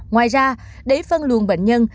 ngoài ra đẩy phân luận bệnh nhân